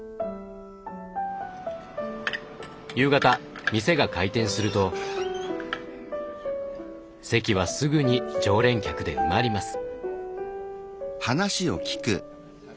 夕方店が開店すると席はすぐに常連客で埋まります。